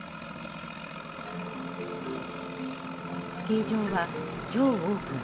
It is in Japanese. スキー場は今日オープン。